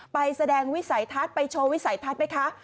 ไปแสดงวิสัยทัศน์ไปโชว์วิสัยทัศน์ไหมคะ